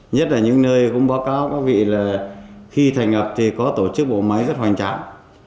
nhất là những nơi cũng báo cáo các vị là khi thành lập thì có tổ chức bộ máy rất hoành tráng